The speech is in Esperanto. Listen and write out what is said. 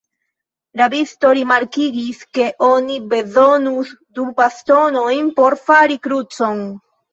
Rabisto rimarkigis, ke oni bezonus du bastonojn por fari krucon.